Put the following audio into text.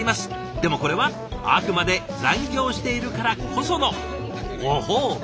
でもこれはあくまで残業しているからこそのご褒美。